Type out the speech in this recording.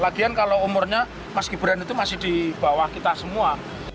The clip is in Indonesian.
lagian kalau umurnya mas gibran itu masih di bawah kita semua